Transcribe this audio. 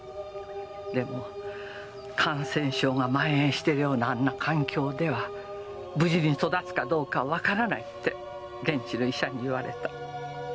でも感染症が蔓延しているようなあんな環境では無事に育つかどうかわからないって現地の医者に言われた。